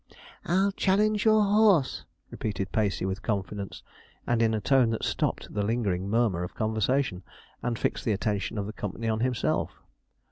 'I'll challenge your horse,' repeated Pacey with confidence, and in a tone that stopped the lingering murmur of conversation, and fixed the attention of the company on himself.